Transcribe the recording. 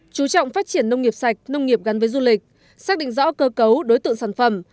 chú trọng phát triển nông nghiệp sạch nông nghiệp gắn với du lịch xác định rõ cơ cấu đối tượng sản phẩm